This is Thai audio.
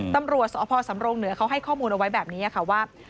ตำรวจสภสำรงเหนือเขาให้ข้อมูลเอาไว้แบบนี้ค่ะว่า